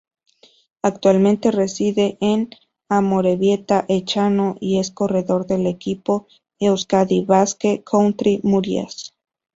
Actualmente reside en Amorebieta-Echano y es corredor del equipo Euskadi Basque Country-Murias.